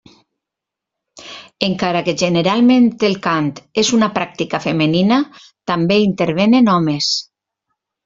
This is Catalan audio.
Encara que generalment el cant és una pràctica femenina, també intervenen homes.